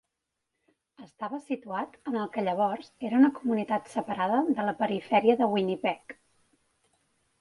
Estava situat en el que llavors era una comunitat separada de la perifèria de Winnipeg.